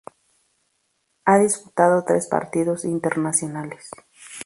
Ha disputado tres partidos internacionales.